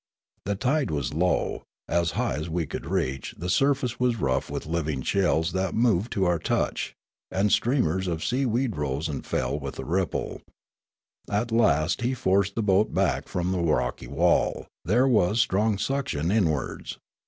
The tide was low : as high as we could reach, the surface was rough with living shells that moved to our touch, and streamers of seaweed rose and fell with the ripple. At last he forced the boat back from the rocky wall: there was strong suction inwards.